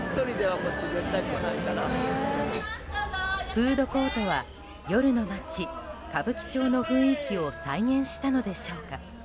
フードコートは夜の街・歌舞伎町の雰囲気を再現したのでしょうか。